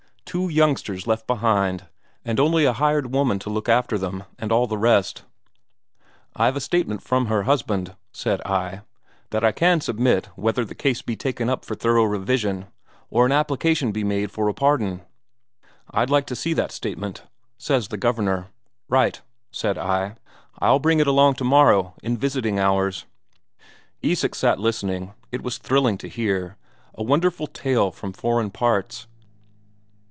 Two youngsters left behind, and only a hired woman to look after them, and all the rest. 'I've a statement from her husband,' said I, 'that I can submit whether the case be taken up for thorough revision, or an application be made for a pardon.' 'I'd like to see that statement,' says the Governor. 'Right,' said I. 'I'll bring it along tomorrow in visiting hours.'" Isak sat listening it was thrilling to hear, a wonderful tale from foreign parts.